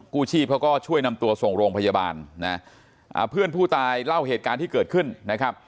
กู้ชีพเขาก็ช่วยนำตัวส่งโรงพยาบาลนะอ่าเพื่อนผู้ตายเล่าเหตุการณ์ที่เกิดขึ้นนะครับ